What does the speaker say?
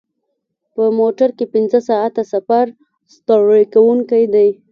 په موټر کې پنځه ساعته سفر ستړی کوونکی دی.